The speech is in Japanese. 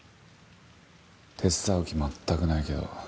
手伝う気全くないけど。